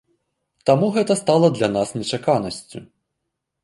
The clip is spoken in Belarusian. Таму гэта стала для нас нечаканасцю.